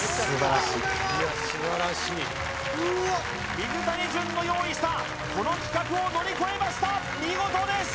水谷隼の用意したこの企画を乗り越えました